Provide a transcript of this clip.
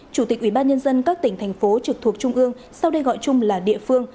chủ tịch ubnd các tỉnh thành phố trực thuộc trung ương sau đây gọi chung là địa phương